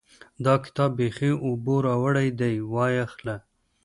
دا کتاب بېخي اوبو راوړی دی؛ وايې خله.